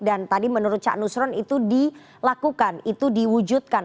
dan tadi menurut cak nusron itu dilakukan itu diwujudkan